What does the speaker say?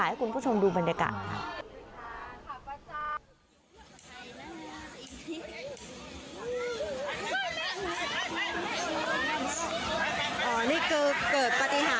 ให้คุณผู้ชมดูบรรยากาศค่ะ